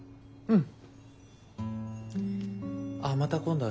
うん。